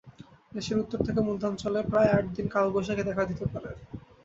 দেশের উত্তর থেকে মধ্যাঞ্চলে প্রায় আট দিন কালবৈশাখী দেখা দিতে পারে।